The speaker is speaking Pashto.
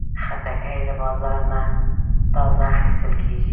خټکی له بازار نه تازه اخیستل کېږي.